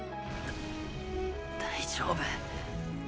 だ大丈夫。